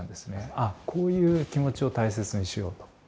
「あっこういう気持ちを大切にしよう」と。